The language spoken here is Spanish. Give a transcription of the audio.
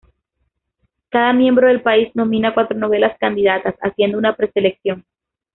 Cada miembro del país nomina cuatro novelas candidatas, haciendo una preselección.